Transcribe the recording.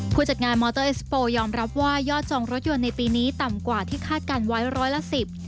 ผู้จัดงานมอเตอร์เอสโปร์ยอมรับว่ายอดจองรถยนต์ในปีนี้ต่ำกว่าที่คาดการณ์ไว้ร้อยละสิบ